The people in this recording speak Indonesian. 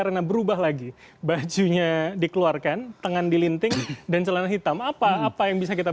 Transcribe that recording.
arena berubah lagi bajunya dikeluarkan tangan dilinting dan celana hitam apa apa yang bisa kita